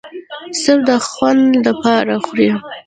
صرف د خوند د پاره خوري